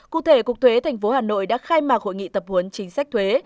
cụ thể cục thuế tp hà nội đã khai mạc hội nghị tập huấn chính sách thuế